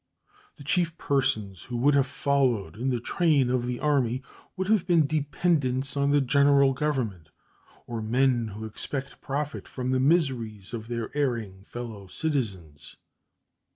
The chief persons who would have followed in the train of the Army would have been dependents on the General Government or men who expected profit from the miseries of their erring fellow citizens.